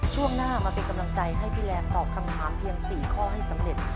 ช่วงหน้ามาเป็นกำลังใจให้พี่แรมตอบคำถามเพียง๔ข้อให้สำเร็จ